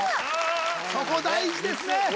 そこ大事ですね